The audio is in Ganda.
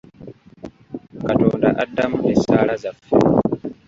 Katonda addamu essaala zaffe.